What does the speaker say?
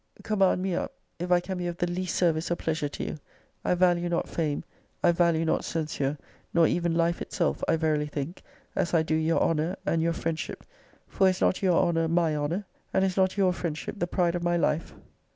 Command me up, if I can be of the least service or pleasure to you. I value not fame; I value not censure; nor even life itself, I verily think, as I do your honour, and your friend ship For, is not your honour my honour? And is not your friendship the pride of my life?